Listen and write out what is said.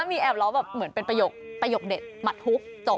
อ๋อมีแอบเลาะแบบเหมือนเป็นประโยคเด็ดหมัดฮุฟจบ